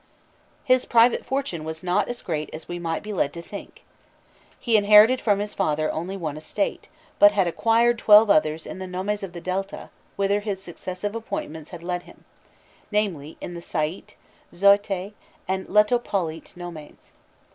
His private fortune was not as great as we might be led to think. He inherited from his father only one estate, but had acquired twelve others in the nomes of the Delta whither his successive appointments had led him namely, in the Saïte, Xoïte, and Letopolite nomes.